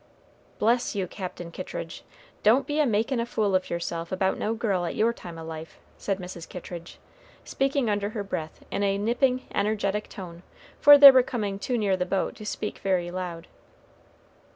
"Bless you, Captain Kittridge! don't be a makin' a fool of yourself about no girl at your time o' life," said Mrs. Kittridge, speaking under her breath in a nipping, energetic tone, for they were coming too near the boat to speak very loud.